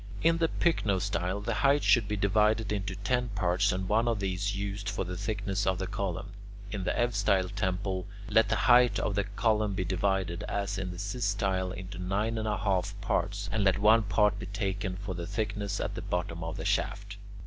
In the pycnostyle, the height should be divided into ten parts, and one of these used for the thickness of the column. In the eustyle temple, let the height of a column be divided, as in the systyle, into nine and a half parts, and let one part be taken for the thickness at the bottom of the shaft.